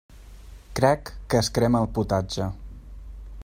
Crec que es crema el potatge.